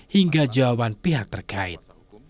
hingga jawaban pihak terkait